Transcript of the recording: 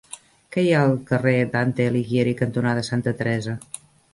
Què hi ha al carrer Dante Alighieri cantonada Santa Teresa?